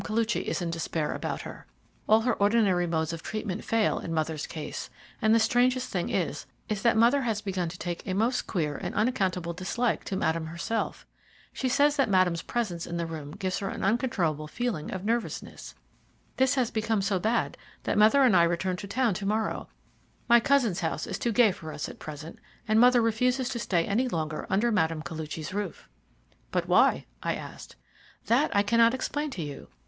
Koluchy is in despair about her. All her ordinary modes of treatment fail in mother's case, and the strangest thing is that mother has begun to take a most queer and unaccountable dislike to Madame herself. She says that Madame's presence in the room gives her an uncontrollable feeling of nervousness. This has become so bad that mother and I return to town to morrow; my cousin's house is too gay for us at present, and mother refuses to stay any longer under Mme. Koluchy's roof." "But why?" I asked. "That I cannot explain to you.